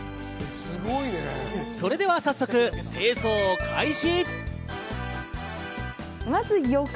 それでは早速、清掃開始。